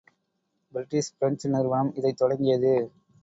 British French நிறுவனம் இதைத் தொடங்கியது.